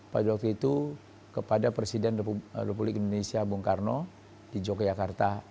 pada waktu itu kepada presiden republik indonesia bung karno di yogyakarta